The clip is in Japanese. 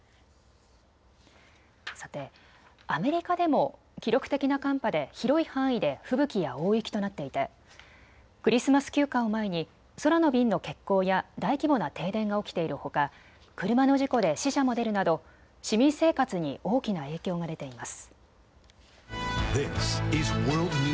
さて、アメリカでも記録的な寒波で広い範囲で吹雪や大雪となっていてクリスマス休暇を前に空の便の欠航や大規模な停電が起きているほか、車の事故で死者も出るなど市民生活に大きな影響が出ています。